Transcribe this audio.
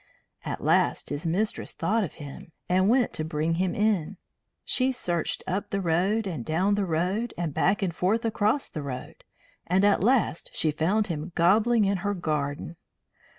At last his mistress thought of him, and went to bring him in. She searched up the road and down the road and back and forth across the road, and at last she found him gobbling in her garden.